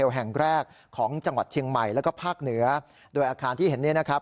แห่งแรกของจังหวัดเชียงใหม่แล้วก็ภาคเหนือโดยอาคารที่เห็นเนี่ยนะครับ